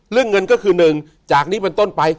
เรื่องเงินก็คือหนึ่งจากนี้มันต้นไป